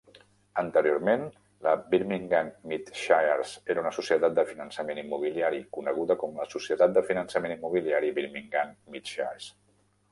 Anteriorment, la Birmingham Midshires era una societat de finançament immobiliari, coneguda com la Societat de Finançament Immobiliari Birmingham Midshires.